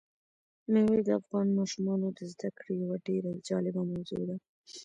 مېوې د افغان ماشومانو د زده کړې یوه ډېره جالبه موضوع ده.